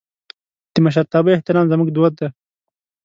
د مشرتابه احترام زموږ دود دی.